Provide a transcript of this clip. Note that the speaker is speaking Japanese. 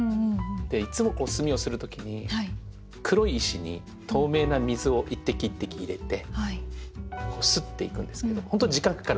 でいつも墨をする時に黒い石に透明な水を一滴一滴入れてすっていくんですけど本当に時間かかるんですね。